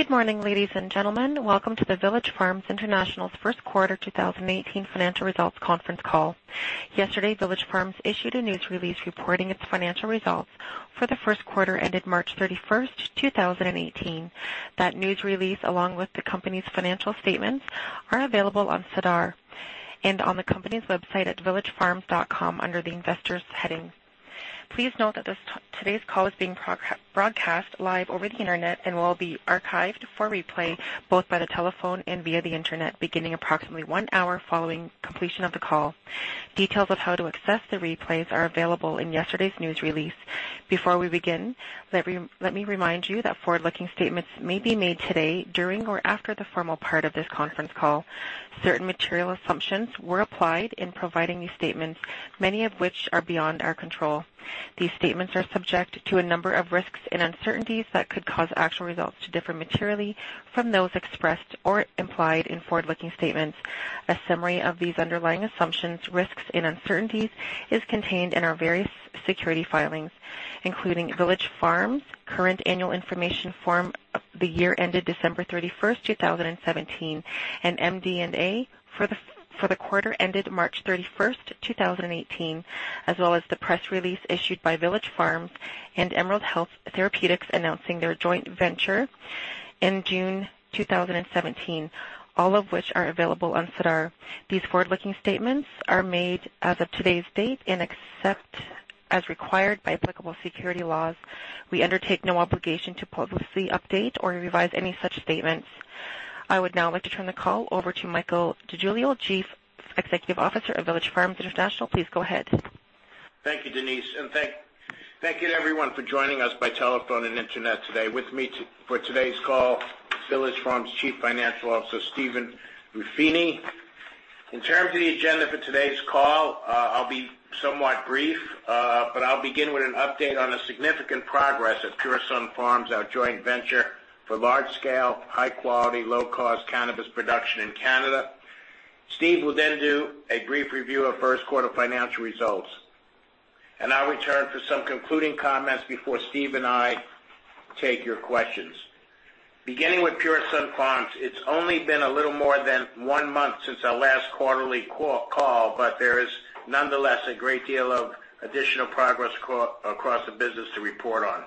Good morning, ladies and gentlemen. Welcome to the Village Farms International's first quarter 2018 financial results conference call. Yesterday, Village Farms issued a news release reporting its financial results for the first quarter ended March 31st, 2018. That news release, along with the company's financial statements, are available on SEDAR and on the company's website at villagefarms.com under the Investors heading. Please note that today's call is being broadcast live over the internet and will be archived for replay, both by the telephone and via the internet, beginning approximately one hour following completion of the call. Details of how to access the replays are available in yesterday's news release. Before we begin, let me remind you that forward-looking statements may be made today during or after the formal part of this conference call. Certain material assumptions were applied in providing these statements, many of which are beyond our control. These statements are subject to a number of risks and uncertainties that could cause actual results to differ materially from those expressed or implied in forward-looking statements. A summary of these underlying assumptions, risks, and uncertainties is contained in our various security filings, including Village Farms' current annual information form the year ended December 31st, 2017, and MD&A for the quarter ended March 31st, 2018, as well as the press release issued by Village Farms and Emerald Health Therapeutics announcing their joint venture in June 2017, all of which are available on SEDAR. Except as required by applicable security laws, we undertake no obligation to publicly update or revise any such statements. I would now like to turn the call over to Michael DeGiglio, Chief Executive Officer of Village Farms International. Please go ahead. Thank you, Denise, thank you to everyone for joining us by telephone and internet today. With me for today's call, Village Farms Chief Financial Officer, Stephen Ruffini. In terms of the agenda for today's call, I'll be somewhat brief. I'll begin with an update on the significant progress at Pure Sunfarms, our joint venture for large scale, high quality, low cost cannabis production in Canada. Steve will then do a brief review of first quarter financial results. I'll return for some concluding comments before Steve and I take your questions. Beginning with Pure Sunfarms, it's only been a little more than one month since our last quarterly call, there is nonetheless a great deal of additional progress across the business to report on.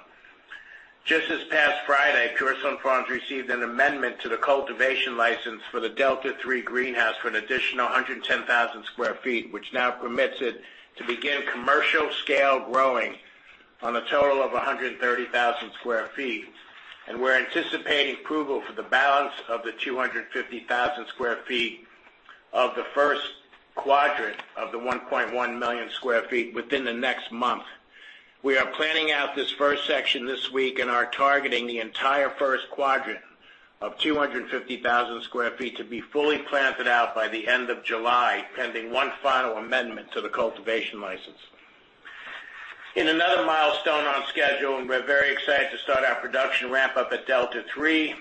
Just this past Friday, Pure Sunfarms received an amendment to the cultivation license for the Delta 3 greenhouse for an additional 110,000 sq ft, which now permits it to begin commercial scale growing on a total of 130,000 sq ft. We're anticipating approval for the balance of the 250,000 sq ft of the first quadrant of the 1.1 million sq ft within the next month. We are planning out this first section this week and are targeting the entire first quadrant of 250,000 sq ft to be fully planted out by the end of July, pending one final amendment to the cultivation license. In another milestone on schedule, we're very excited to start our production ramp-up at Delta 3.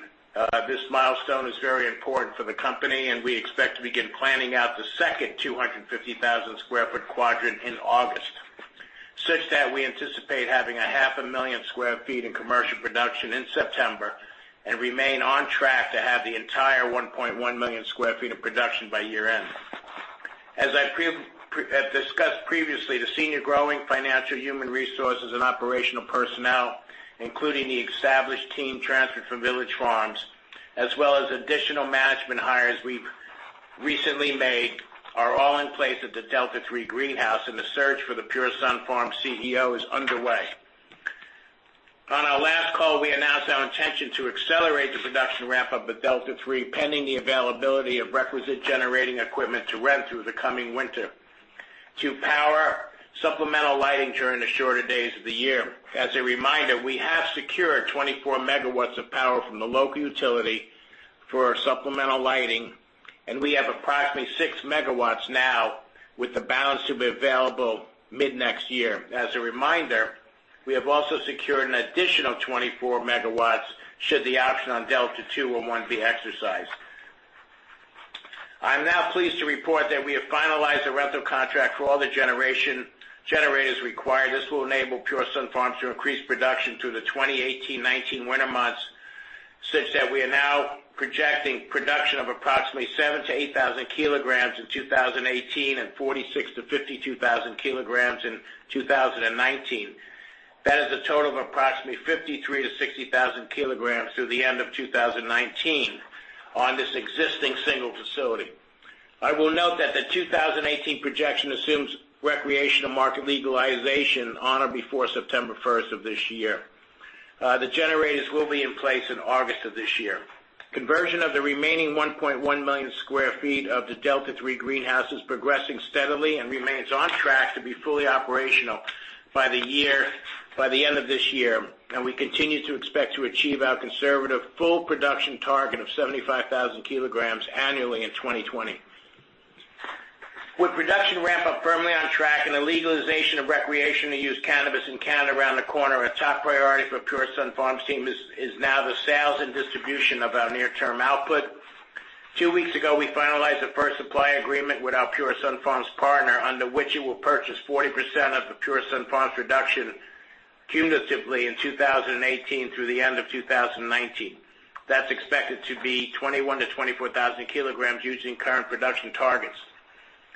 This milestone is very important for the company, and we expect to begin planning out the second 250,000 square foot quadrant in August, such that we anticipate having a half a million square feet in commercial production in September and remain on track to have the entire 1.1 million square feet of production by year-end. As I have discussed previously, the senior growing, financial, human resources, and operational personnel, including the established team transferred from Village Farms, as well as additional management hires we've recently made, are all in place at the Delta 3 greenhouse, and the search for the Pure Sunfarms CEO is underway. On our last call, we announced our intention to accelerate the production ramp-up at Delta 3, pending the availability of requisite generating equipment to rent through the coming winter to power supplemental lighting during the shorter days of the year. As a reminder, we have secured 24 MW of power from the local utility for our supplemental lighting, and we have approximately 6 MW now, with the balance to be available mid-next year. As a reminder, we have also secured an additional 24 MW should the option on Delta 201 be exercised. I am now pleased to report that we have finalized a rental contract for all the generators required. This will enable Pure Sunfarms to increase production through the 2018-2019 winter months, such that we are now projecting production of approximately 7,000-8,000 kilograms in 2018 and 46,000-52,000 kilograms in 2019. That is a total of approximately 53,000-60,000 kilograms through the end of 2019 on this existing single facility. I will note that the 2018 projection assumes recreational market legalization on or before September 1st of this year. The generators will be in place in August of this year. Conversion of the remaining 1.1 million square feet of the Delta 3 greenhouse is progressing steadily and remains on track to be fully operational by the end of this year. We continue to expect to achieve our conservative full production target of 75,000 kilograms annually in 2020. With production ramp-up firmly on track and the legalization of recreation to use cannabis in Canada around the corner, a top priority for Pure Sunfarms team is now the sales and distribution of our near-term output. Two weeks ago, we finalized the first supply agreement with our Pure Sunfarms partner, under which it will purchase 40% of the Pure Sunfarms production cumulatively in 2018 through the end of 2019. That is expected to be 21,000-24,000 kilograms using current production targets.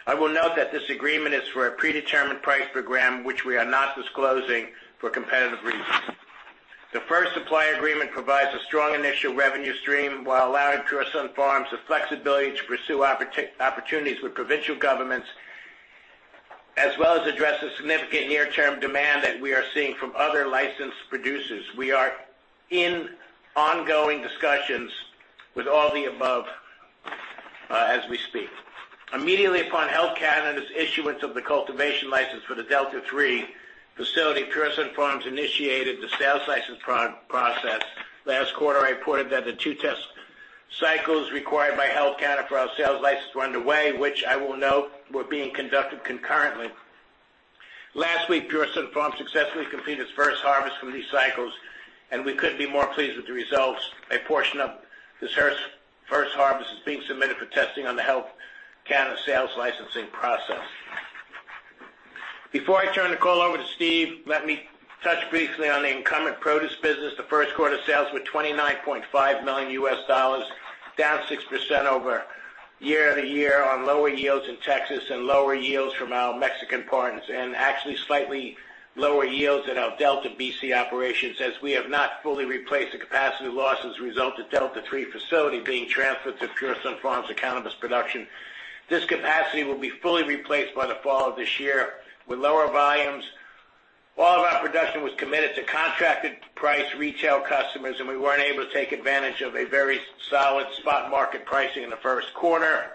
I will note that this agreement is for a predetermined price per gram, which we are not disclosing for competitive reasons. The first supply agreement provides a strong initial revenue stream while allowing Pure Sunfarms the flexibility to pursue opportunities with provincial governments, as well as address the significant near-term demand that we are seeing from other Licensed Producers. We are in ongoing discussions with all the above as we speak. Immediately upon Health Canada's issuance of the cultivation license for the Delta 3 facility, Pure Sunfarms initiated the sales license process. Last quarter, I reported that the two test cycles required by Health Canada for our sales license were underway, which I will note were being conducted concurrently. Last week, Pure Sunfarms successfully completed its first harvest from these cycles, and we couldn't be more pleased with the results. A portion of this first harvest is being submitted for testing on the Health Canada sales licensing process. Before I turn the call over to Steve, let me touch briefly on the incumbent produce business. The first quarter sales were $29.5 million, down 6% year-over-year on lower yields in Texas and lower yields from our Mexican partners, and actually slightly lower yields at our Delta, B.C. operations, as we have not fully replaced the capacity loss as a result of Delta 3 facility being transferred to Pure Sunfarms for cannabis production. This capacity will be fully replaced by the fall of this year with lower volumes. All of our production was committed to contracted price retail customers, and we weren't able to take advantage of a very solid spot market pricing in the first quarter.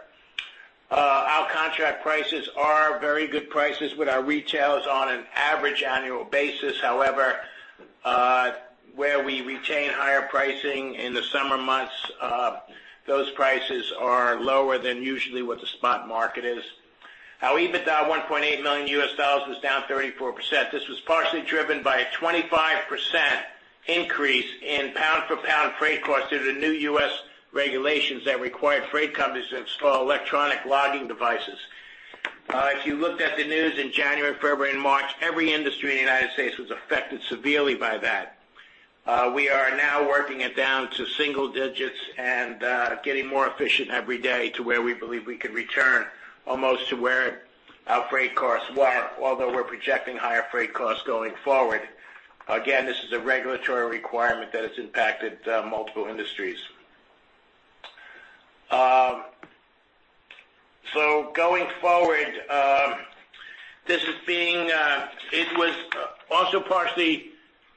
Our contract prices are very good prices with our retails on an average annual basis. However, where we retain higher pricing in the summer months, those prices are lower than usually what the spot market is. Our EBITDA, $1.8 million, was down 34%. This was partially driven by a 25% increase in pound-for-pound freight costs due to new U.S. regulations that required freight companies to install electronic logging devices. If you looked at the news in January, February, and March, every industry in the United States was affected severely by that. We are now working it down to single digits and getting more efficient every day to where we believe we can return almost to where our freight costs were. Although we're projecting higher freight costs going forward. This is a regulatory requirement that has impacted multiple industries. Going forward,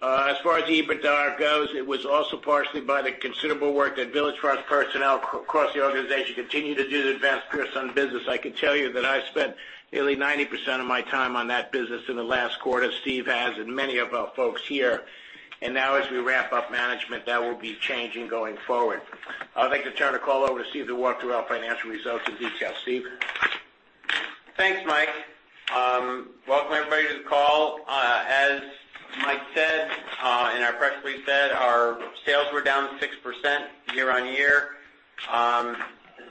as far as the EBITDA goes, it was also partially by the considerable work that Village Farms personnel across the organization continue to do to advance Pure Sun business. I can tell you that I spent nearly 90% of my time on that business in the last quarter. Steve has, and many of our folks here. Now as we wrap up management, that will be changing going forward. I'd like to turn the call over to Steve to walk through our financial results in detail. Steve? Thanks, Mike. Welcome, everybody, to the call. As Mike said, in our press release said, our sales were down 6% year-over-year. As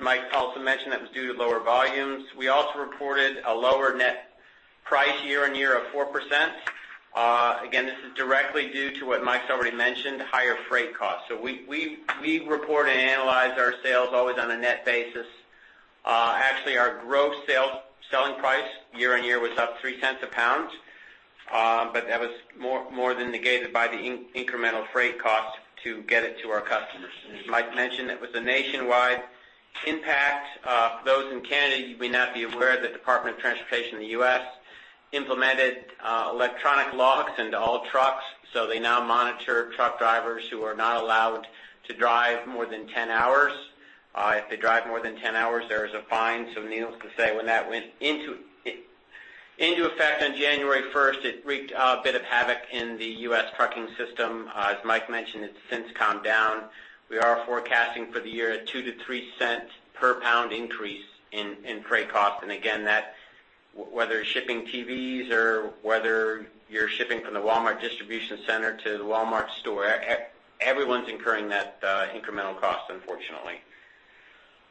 Mike also mentioned, that was due to lower volumes. We also reported a lower net price year-over-year of 4%. This is directly due to what Mike's already mentioned, higher freight costs. We report and analyze our sales always on a net basis. Actually, our gross selling price year-over-year was up $0.03 a pound. That was more than negated by the incremental freight cost to get it to our customers. As Mike mentioned, it was a nationwide impact. Those in Canada, you may not be aware the Department of Transportation in the U.S. implemented electronic logs into all trucks, so they now monitor truck drivers who are not allowed to drive more than 10 hours. If they drive more than 10 hours, there is a fine. Needless to say, when that went into effect on January 1st, it wreaked a bit of havoc in the U.S. trucking system. As Mike mentioned, it's since calmed down. We are forecasting for the year a $0.02-$0.03 per pound increase in freight cost. Again, that whether shipping TVs or whether you're shipping from the Walmart distribution center to the Walmart store, everyone's incurring that incremental cost, unfortunately.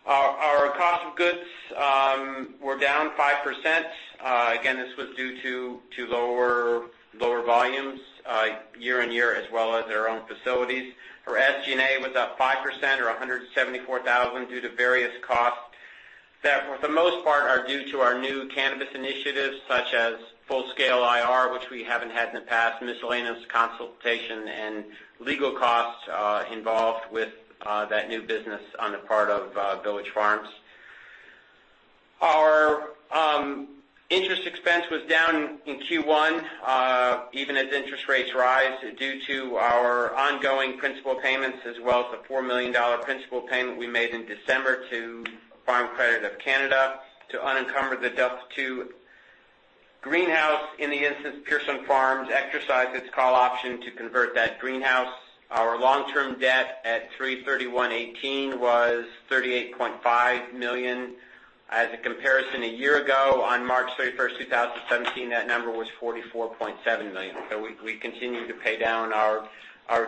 Our cost of goods were down 5%. Again, this was due to lower volumes year-on-year, as well as our own facilities. Our SG&A was up 5%, or $174,000, due to various costs that for the most part are due to our new cannabis initiatives, such as full-scale IR, which we haven't had in the past, miscellaneous consultation, and legal costs involved with that new business on the part of Village Farms. Our interest expense was down in Q1 even as interest rates rise due to our ongoing principal payments, as well as the $4 million principal payment we made in December to Farm Credit Canada to unencumber the Delta-2 greenhouse in the instance Pure Sunfarms exercised its call option to convert that greenhouse. Our long-term debt at 3/31/2018 was $38.5 million. As a comparison, a year ago, on March 31st, 2017, that number was $44.7 million. We continue to pay down our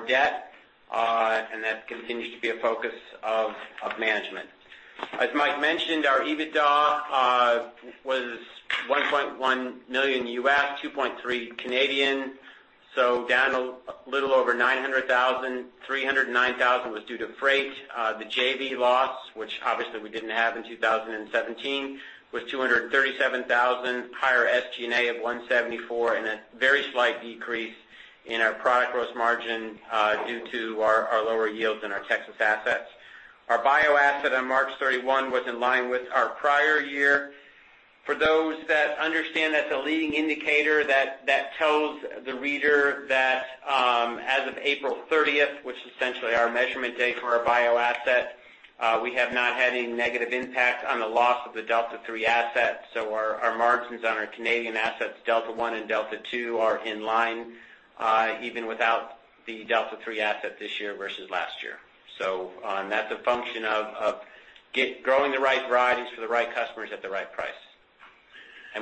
debt, and that continues to be a focus of management. As Mike mentioned, our EBITDA was $$1.8 million., 2.3 million Canadian, down a little over $900,000. $309,000 was due to freight. The JV loss, which obviously we didn't have in 2017, was $237,000, higher SG&A of $174,000 and a very slight decrease in our product gross margin, due to our lower yields in our Texas assets. Our bio-asset on March 31st was in line with our prior year. For those that understand that the leading indicator that tells the reader that, as of April 30th, which is essentially our measurement date for our bio-asset, we have not had any negative impact on the loss of the Delta 3 asset. Our margins on our Canadian assets, Delta 1 and Delta 2, are in line, even without the Delta 3 asset this year versus last year. That's a function of growing the right varieties for the right customers at the right price.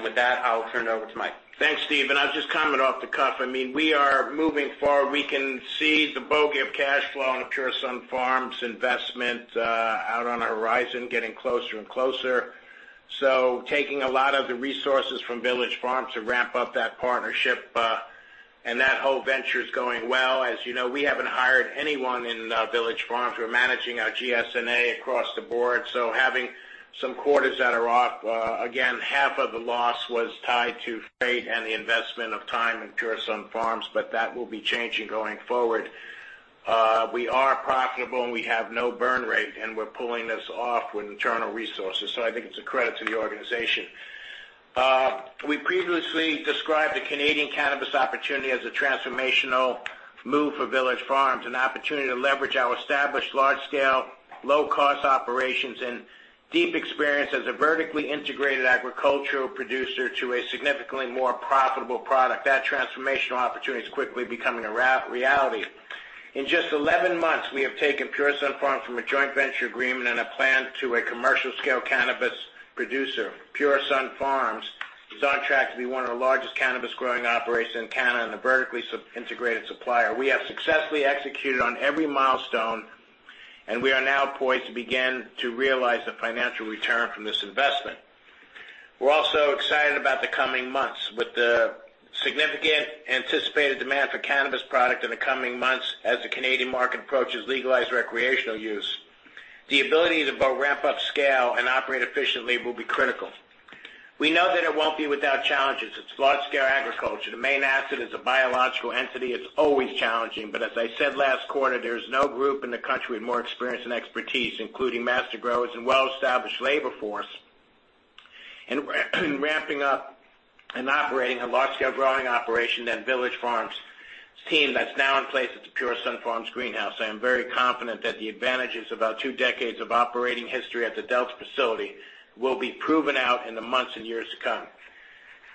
With that, I'll turn it over to Mike. Thanks, Steve. I'll just comment off the cuff. We are moving forward. We can see the bogey of cash flow in the Pure Sunfarms investment out on our horizon, getting closer and closer. Taking a lot of the resources from Village Farms to ramp up that partnership, and that whole venture is going well. As you know, we haven't hired anyone in Village Farms. We're managing our SG&A across the board, having some quarters that are off. Again, half of the loss was tied to freight and the investment of time in Pure Sunfarms, but that will be changing going forward. We are profitable, and we have no burn rate, and we're pulling this off with internal resources. I think it's a credit to the organization. We previously described the Canadian cannabis opportunity as a transformational move for Village Farms, an opportunity to leverage our established large-scale, low-cost operations and deep experience as a vertically integrated agricultural producer to a significantly more profitable product. That transformational opportunity is quickly becoming a reality. In just 11 months, we have taken Pure Sunfarms from a joint venture agreement and a plan to a commercial-scale cannabis producer. Pure Sunfarms is on track to be one of the largest cannabis growing operations in Canada and a vertically integrated supplier. We have successfully executed on every milestone, and we are now poised to begin to realize the financial return from this investment. We're also excited about the coming months. With the significant anticipated demand for cannabis product in the coming months as the Canadian market approaches legalized recreational use, the ability to both ramp up scale and operate efficiently will be critical. We know that it won't be without challenges. It's large-scale agriculture. The main asset is a biological entity. It's always challenging. As I said last quarter, there's no group in the country with more experience and expertise, including master growers and well-established labor force in ramping up and operating a large-scale growing operation than Village Farms' team that's now in place at the Pure Sunfarms greenhouse. I am very confident that the advantages of our 2 decades of operating history at the Delta 1 facility will be proven out in the months and years to come.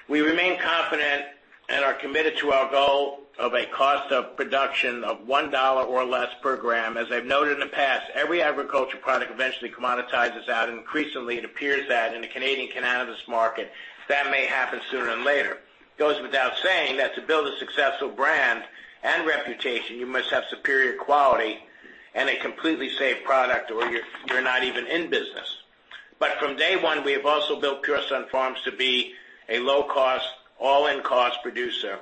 We remain confident and are committed to our goal of a cost of production of $1 or less per gram. As I've noted in the past, every agriculture product eventually commoditizes out, and increasingly it appears that in the Canadian cannabis market, that may happen sooner than later. It goes without saying that to build a successful brand and reputation, you must have superior quality and a completely safe product, or you're not even in business. From day one, we have also built Pure Sunfarms to be a low-cost, all-in cost producer.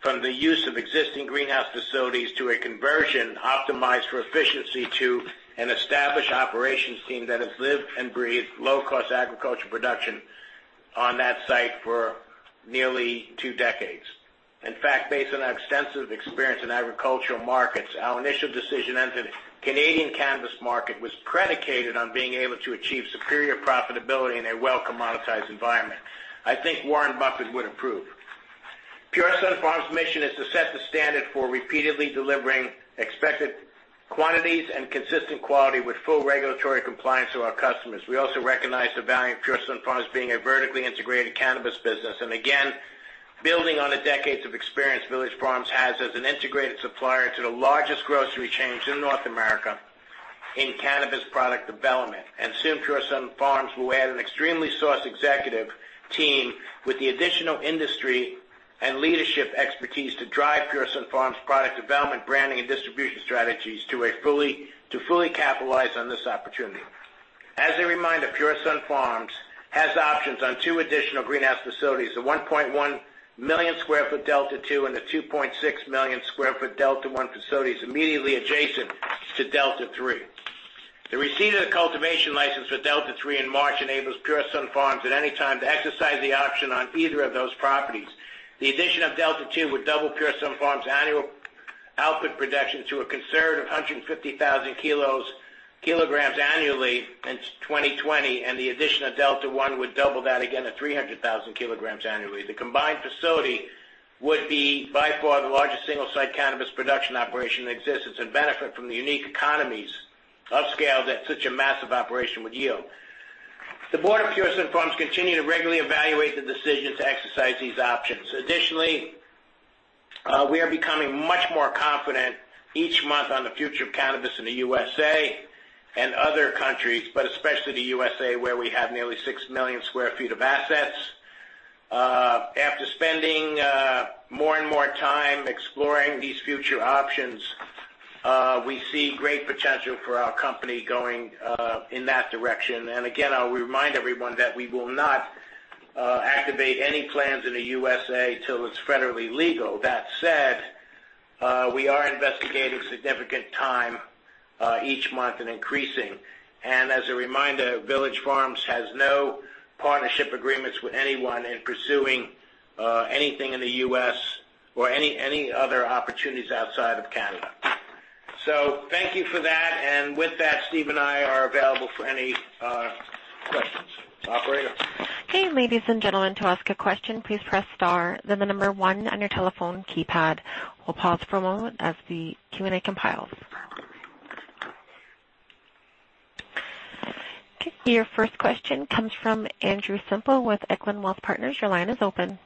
From the use of existing greenhouse facilities to a conversion optimized for efficiency to an established operations team that has lived and breathed low-cost agriculture production on that site for nearly 2 decades. In fact, based on our extensive experience in agricultural markets, our initial decision entered Canadian cannabis market was predicated on being able to achieve superior profitability in a well-commoditized environment. I think Warren Buffett would approve. Pure Sunfarms' mission is to set the standard for repeatedly delivering expected quantities and consistent quality with full regulatory compliance to our customers. We also recognize the value of Pure Sunfarms being a vertically integrated cannabis business, again, building on the decades of experience Village Farms has as an integrated supplier to the largest grocery chains in North America in cannabis product development. Soon, Pure Sunfarms will add an extremely sourced executive team with the additional industry and leadership expertise to drive Pure Sunfarms' product development, branding, and distribution strategies to fully capitalize on this opportunity. As a reminder, Pure Sunfarms has options on two additional greenhouse facilities, the 1.1 million square foot Delta 2 and the 2.6 million square foot Delta 1 facilities immediately adjacent to Delta 3. The receipt of the cultivation license for Delta 3 in March enables Pure Sunfarms at any time to exercise the option on either of those properties. The addition of Delta 2 would double Pure Sunfarms' annual output production to a conservative 150,000 kilograms annually in 2020, and the addition of Delta 1 would double that again to 300,000 kilograms annually. The combined facility would be by far the largest single-site cannabis production operation in existence and benefit from the unique economies of scale that such a massive operation would yield. The board of Pure Sunfarms continue to regularly evaluate the decision to exercise these options. Additionally, we are becoming much more confident each month on the future of cannabis in the USA and other countries, but especially the USA, where we have nearly 6 million square feet of assets. After spending more and more time exploring these future options, we see great potential for our company going in that direction. Again, I'll remind everyone that we will not activate any plans in the USA till it's federally legal. That said, we are investigating significant time each month and increasing. As a reminder, Village Farms has no partnership agreements with anyone in pursuing anything in the U.S. or any other opportunities outside of Canada. Thank you for that. With that, Steve and I are available for any questions. Operator? Okay. Ladies and gentlemen, to ask a question, please press star, then the number 1 on your telephone keypad. We'll pause for a moment as the Q&A compiles. Okay, your first question comes from Russell Stanley with Echelon Wealth Partners. Your line is open.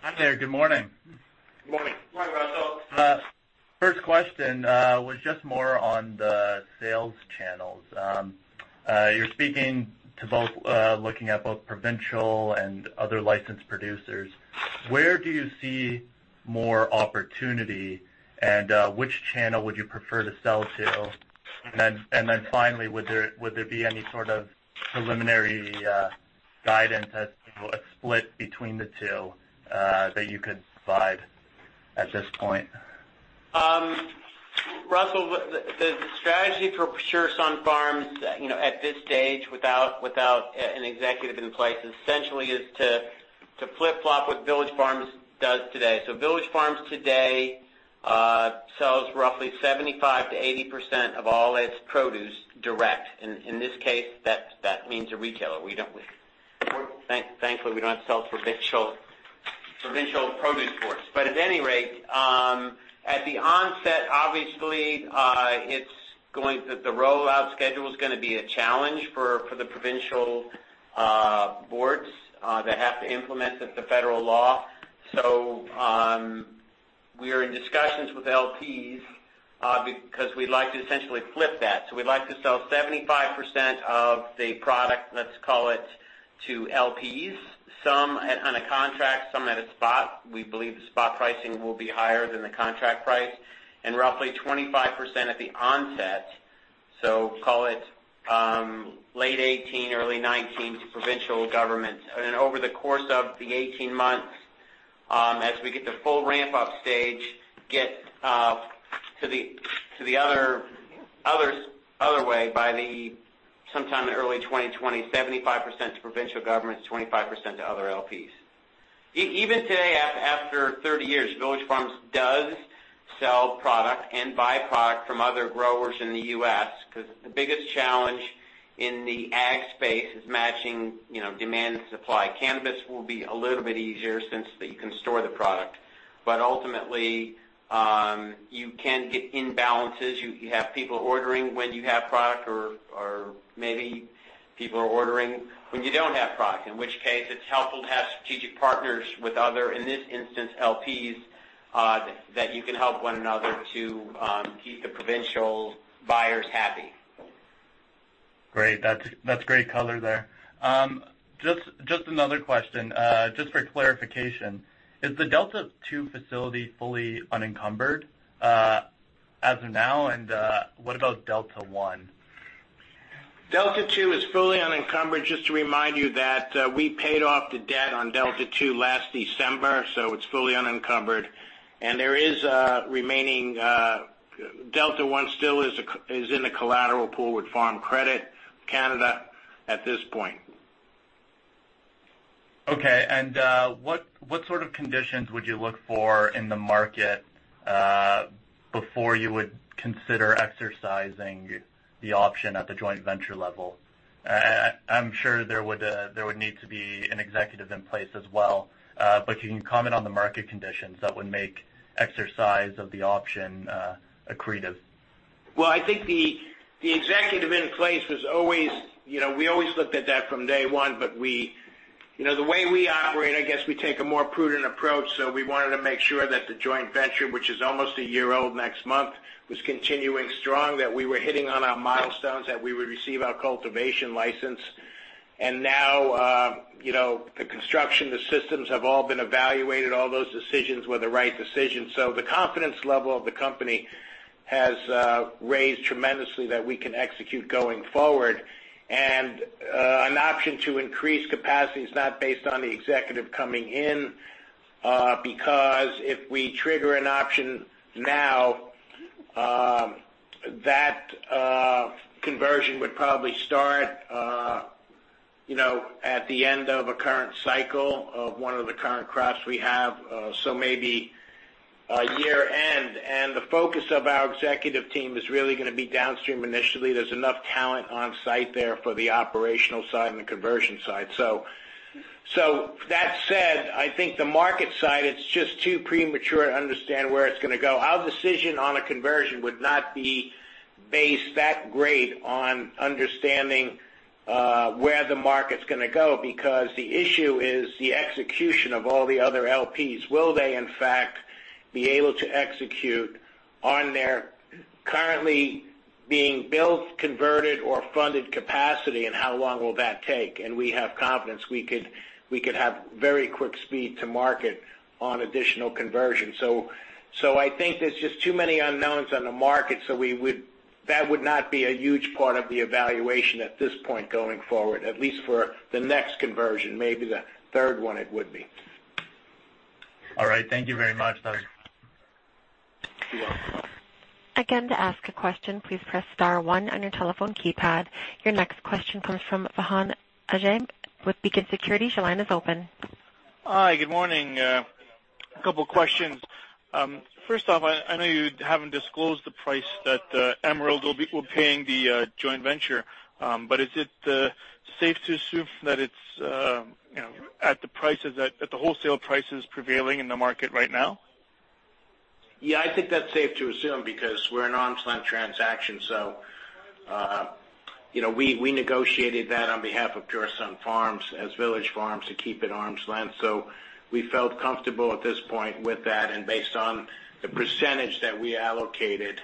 Hi there. Good morning. Good morning. Morning, Russell. First question was just more on the sales channels. You're speaking to both looking at both provincial and other Licensed Producers. Where do you see more opportunity, and which channel would you prefer to sell to? Then finally, would there be any sort of preliminary guidance as to a split between the two that you could provide at this point? Russell, the strategy for Pure Sunfarms at this stage, without an executive in place, essentially is to flip-flop what Village Farms does today. Village Farms today sells roughly 75%-80% of all its produce direct. In this case, that means a retailer. Thankfully, we don't have to sell provincial produce for us. At any rate, at the onset, obviously, the rollout schedule's going to be a challenge for the provincial boards that have to implement the federal law. We are in discussions with LPs, because we'd like to essentially flip that. We'd like to sell 75% of the product, let's call it, to LPs, some on a contract, some at a spot. We believe the spot pricing will be higher than the contract price and roughly 25% at the onset. Call it, late 2018, early 2019 to provincial governments. Over the course of the 18 months, as we get to full ramp-up stage, get to the other way, by sometime in early 2020, 75% to provincial governments, 25% to other LPs. Even today, after 30 years, Village Farms does sell product and buy product from other growers in the U.S., because the biggest challenge in the ag space is matching demand and supply. Cannabis will be a little bit easier since you can store the product, but ultimately, you can get imbalances. You have people ordering when you have product, or maybe people are ordering when you don't have product, in which case it's helpful to have strategic partners with other, in this instance, LPs, that you can help one another to keep the provincial buyers happy. Great. That's great color there. Just another question, just for clarification. Is the Delta 2 facility fully unencumbered as of now? What about Delta 1? Delta 2 is fully unencumbered. Just to remind you that we paid off the debt on Delta 2 last December, it's fully unencumbered. Delta 1 still is in a collateral pool with Farm Credit Canada at this point. What sort of conditions would you look for in the market, before you would consider exercising the option at the joint venture level? I'm sure there would need to be an executive in place as well. Can you comment on the market conditions that would make exercise of the option accretive? Well, I think the executive in place was always. We always looked at that from day one. The way we operate, I guess we take a more prudent approach. We wanted to make sure that the joint venture, which is almost a year old next month, was continuing strong, that we were hitting on our milestones, that we would receive our cultivation license. Now, the construction, the systems have all been evaluated. All those decisions were the right decisions. The confidence level of the company has raised tremendously that we can execute going forward. An option to increase capacity is not based on the executive coming in, because if we trigger an option now, that conversion would probably start at the end of a current cycle of one of the current crops we have. Maybe year-end. The focus of our executive team is really going to be downstream initially. There's enough talent on site there for the operational side and the conversion side. That said, I think the market side, it's just too premature to understand where it's going to go. Our decision on a conversion would not be based that great on understanding where the market's going to go because the issue is the execution of all the other LPs. Will they in fact be able to execute on their currently being built, converted, or funded capacity, and how long will that take? We have confidence we could have very quick speed to market on additional conversion. I think there's just too many unknowns on the market, so that would not be a huge part of the evaluation at this point going forward, at least for the next conversion. Maybe the third one it would be. All right. Thank you very much, Michael. You're welcome. Again, to ask a question, please press star one on your telephone keypad. Your next question comes from Vahan Ajamian with Beacon Securities. Your line is open. Hi, good morning. A couple questions. First off, I know you haven't disclosed the price that Emerald will be paying the joint venture, but is it safe to assume that it's at the wholesale prices prevailing in the market right now? Yeah, I think that's safe to assume because we're an arm's length transaction. We negotiated that on behalf of Pure Sunfarms as Village Farms to keep it arm's length. We felt comfortable at this point with that, and based on the percentage that we allocated,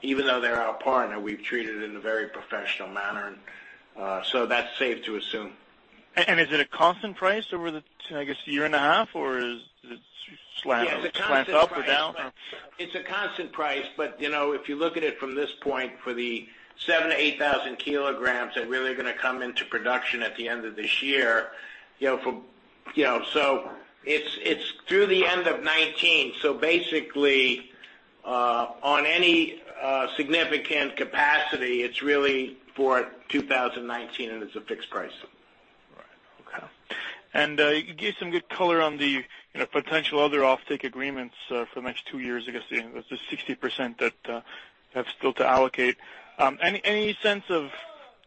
even though they're our partner, we've treated it in a very professional manner. That's safe to assume. Is it a constant price over the, I guess, year and a half, or does it slant up or down? It's a constant price, if you look at it from this point for the 7,000 to 8,000 kilograms that really are going to come into production at the end of this year. It's through the end of 2019, so basically, on any significant capacity, it's really for 2019, and it's a fixed price. Right. Okay. You gave some good color on the potential other offtake agreements for the next two years, I guess, the 60% that you have still to allocate. Any sense of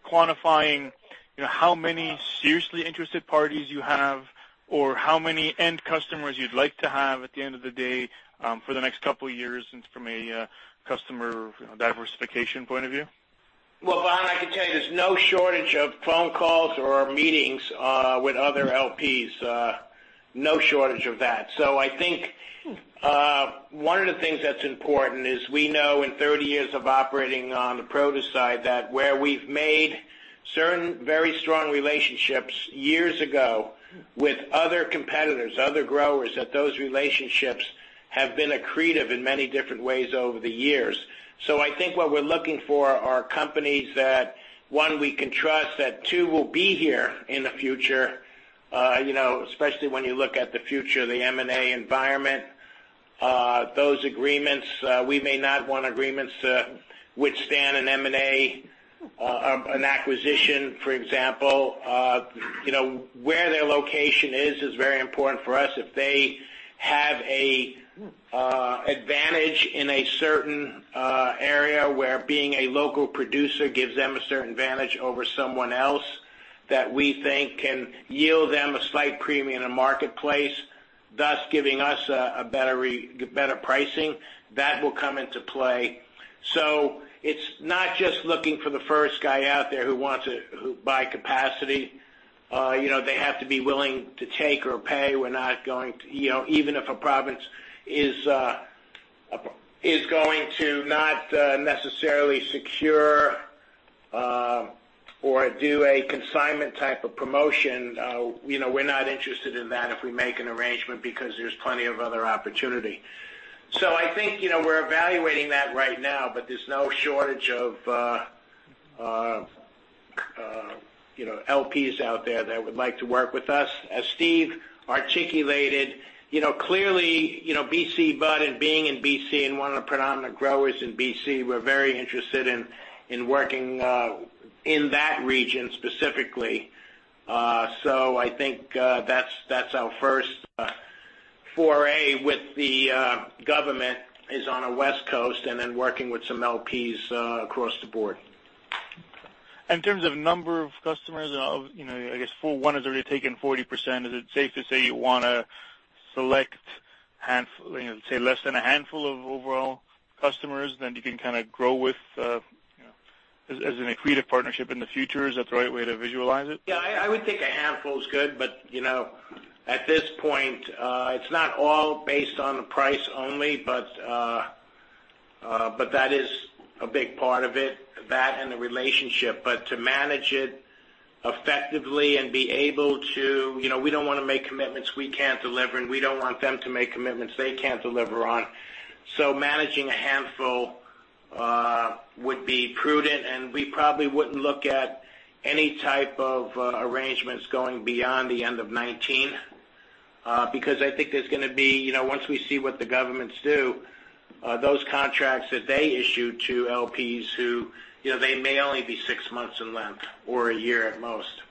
quantifying how many seriously interested parties you have, or how many end customers you'd like to have at the end of the day for the next couple of years from a customer diversification point of view? Well, Vahan, I can tell you there's no shortage of phone calls or meetings with other LPs. No shortage of that. I think one of the things that's important is we know in 30 years of operating on the produce side, that where we've made certain very strong relationships years ago with other competitors, other growers, that those relationships have been accretive in many different ways over the years. I think what we're looking for are companies that, one, we can trust, that, two, will be here in the future. Especially when you look at the future of the M&A environment. Those agreements, we may not want agreements to withstand an M&A, an acquisition, for example. Their location is very important for us. If they have an advantage in a certain area where being a local producer gives them a certain advantage over someone else that we think can yield them a slight premium in the marketplace, thus giving us better pricing, that will come into play. It's not just looking for the first guy out there who wants to buy capacity. They have to be willing to take or pay. Even if a province is going to not necessarily secure or do a consignment type of promotion, we're not interested in that if we make an arrangement because there's plenty of other opportunity. I think we're evaluating that right now, but there's no shortage of LPs out there that would like to work with us. As Steve articulated, clearly BC Bud and being in BC and one of the predominant growers in BC, we're very interested in working in that region specifically. I think that's our first foray with the government is on the West Coast and then working with some LPs across the board. In terms of number of customers, I guess Emerald has already taken 40%. Is it safe to say you want to select, say, less than a handful of overall customers, then you can kind of grow with as an accretive partnership in the future? Is that the right way to visualize it? Yeah, I would think a handful is good, but at this point, it's not all based on the price only, but that is a big part of it, that and the relationship. To manage it effectively, we don't want to make commitments we can't deliver, and we don't want them to make commitments they can't deliver on. Managing a handful would be prudent, and we probably wouldn't look at any type of arrangements going beyond the end of 2019. Because I think there's going to be, once we see what the governments do, those contracts that they issue to LPs who they may only be six months in length or a year at most.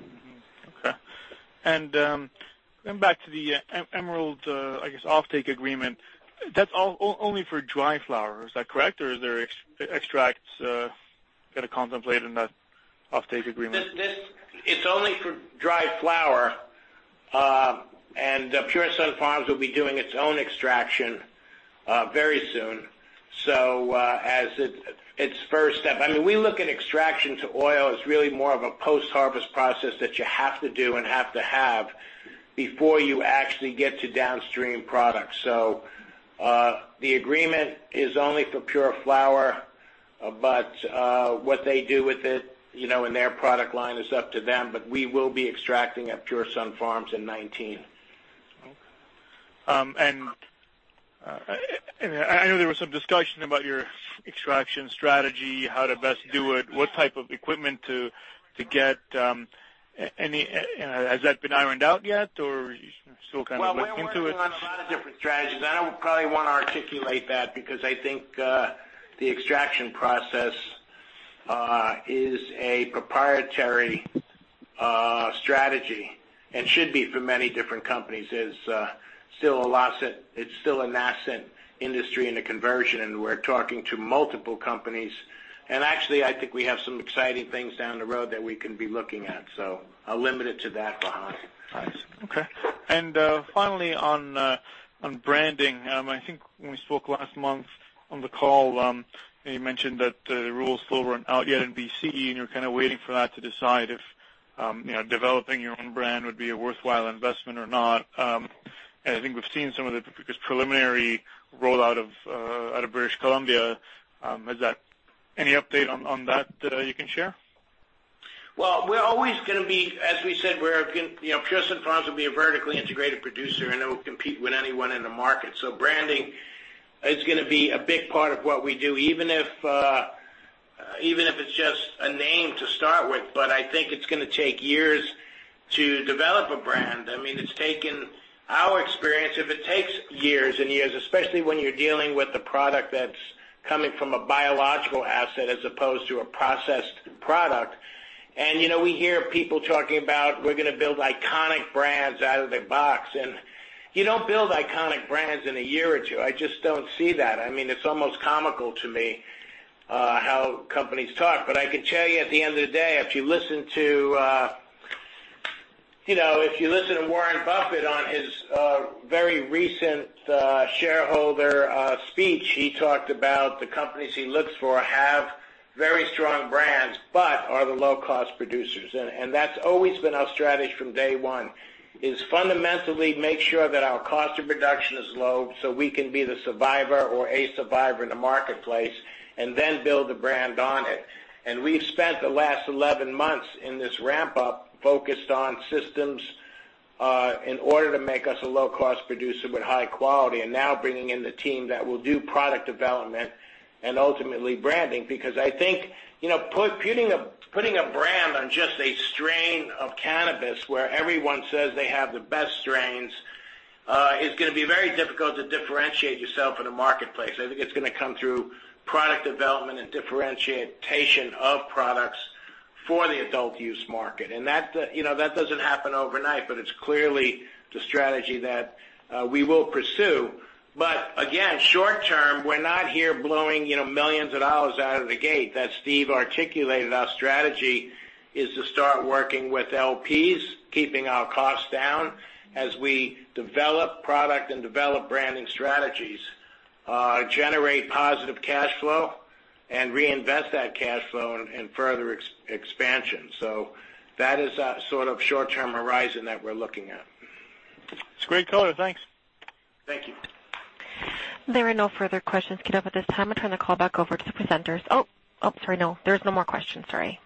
Mm-hmm. Okay. Back to the Emerald offtake agreement. That's only for dry flower. Is that correct? Are there extracts kind of contemplated in that offtake agreement? It's only for dry flower. Pure Sunfarms will be doing its own extraction very soon. As its first step. We look at extraction to oil as really more of a post-harvest process that you have to do and have to have before you actually get to downstream products. The agreement is only for pure flower, but what they do with it in their product line is up to them. We will be extracting at Pure Sunfarms in 2019. Okay. I know there was some discussion about your extraction strategy, how to best do it, what type of equipment to get. Has that been ironed out yet, or are you still kind of looking into it? Well, we're working on a lot of different strategies. I don't probably want to articulate that because I think the extraction process is a proprietary strategy, and should be for many different companies. It's still a nascent industry in the conversion, we're talking to multiple companies. Actually, I think we have some exciting things down the road that we can be looking at. I'll limit it to that, Vahan. I see. Okay. Finally, on branding. I think when we spoke last month on the call, you mentioned that the rules still weren't out yet in BC, and you're kind of waiting for that to decide if developing your own brand would be a worthwhile investment or not. I think we've seen some of the preliminary rollout out of British Columbia. Any update on that you can share? Well, we're always going to be, as we said, Pure Sunfarms will be a vertically integrated producer, and it will compete with anyone in the market. Branding is going to be a big part of what we do, even if it's just a name to start with. I think it's going to take years to develop a brand. It's taken our experience, if it takes years and years, especially when you're dealing with a product that's coming from a biological asset as opposed to a processed product. We hear people talking about, "We're going to build iconic brands out of the box," and you don't build iconic brands in a year or two. I just don't see that. It's almost comical to me how companies talk. I can tell you at the end of the day, if you listen to Warren Buffett on his very recent shareholder speech, he talked about the companies he looks for have very strong brands, but are the low-cost producers. That's always been our strategy from day one, is fundamentally make sure that our cost of production is low so we can be the survivor or a survivor in the marketplace, and then build a brand on it. We've spent the last 11 months in this ramp-up focused on systems, in order to make us a low-cost producer with high quality. Now bringing in the team that will do product development and ultimately branding. I think putting a brand on just a strain of cannabis where everyone says they have the best strains, is going to be very difficult to differentiate yourself in a marketplace. I think it's going to come through product development and differentiation of products for the adult use market. That doesn't happen overnight, but it's clearly the strategy that we will pursue. Again, short term, we're not here blowing millions of dollars out of the gate. As Steve articulated, our strategy is to start working with LPs, keeping our costs down as we develop product and develop branding strategies, generate positive cash flow, and reinvest that cash flow in further expansion. That is a sort of short-term horizon that we're looking at. It's great, Michael. Thanks. Thank you. There are no further questions queued up at this time. I turn the call back over to the presenters. sorry. No. There's no more questions, sorry.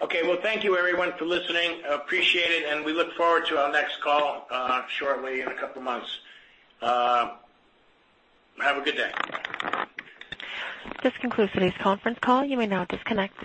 Okay. Well, thank you everyone for listening. Appreciate it, and we look forward to our next call shortly in a couple of months. Have a good day. This concludes today's conference call. You may now disconnect.